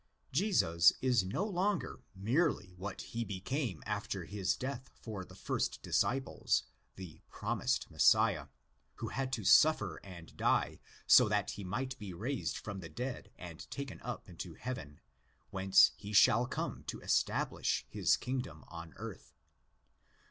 Jesus is no longer merely what he became after his death for his first disciples—the promised Messiah, who had to suffer and die so that he might be raised from the dead and taken up into heaven, whence he shall come to establish his kingdomon earth.